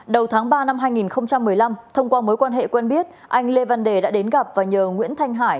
đầu tháng ba năm hai nghìn một mươi năm thông qua mối quan hệ quen biết anh lê văn đề đã đến gặp và nhờ nguyễn thanh hải